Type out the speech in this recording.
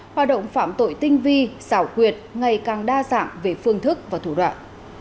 hoạt động phạm tội tinh vi xảo quyệt ngày càng đa dạng về phương thức và thủ đoạn